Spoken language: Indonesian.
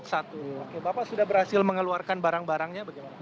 oke bapak sudah berhasil mengeluarkan barang barangnya bagaimana